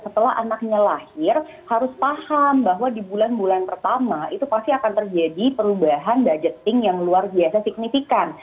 setelah anaknya lahir harus paham bahwa di bulan bulan pertama itu pasti akan terjadi perubahan budgeting yang luar biasa signifikan